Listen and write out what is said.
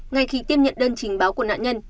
ngay khi tiếp nhận đơn trình báo của nạn nhân